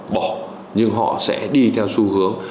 bỏ nhưng họ sẽ đi theo xu hướng